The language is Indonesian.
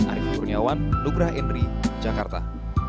arief bronyawan nugra henry jakarta